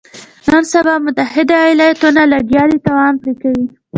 نن سبا متحده ایالتونه لګیا دي تاوان پرې کوي.